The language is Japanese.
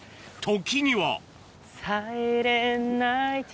時には